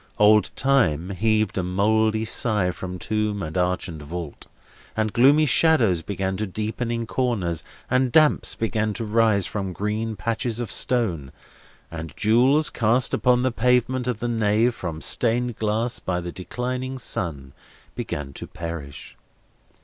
Old Time heaved a mouldy sigh from tomb and arch and vault; and gloomy shadows began to deepen in corners; and damps began to rise from green patches of stone; and jewels, cast upon the pavement of the nave from stained glass by the declining sun, began to perish.